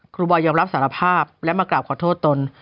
บอยยอมรับสารภาพและมากราบขอโทษตน